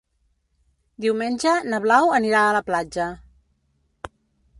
Diumenge na Blau anirà a la platja.